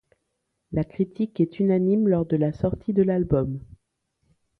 La critique est unanime lors de la sortie de l’album.